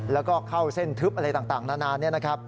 แล้วก็เข้าเส้นทึบอะไรต่างนานาน